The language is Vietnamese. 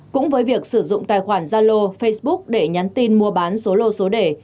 cũng với việc sử dụng tài khoản zalo facebook để nhắn tin mua bán số lô số đề